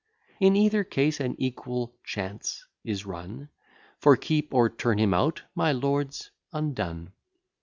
In either case, an equal chance is run; For, keep or turn him out, my lord's undone.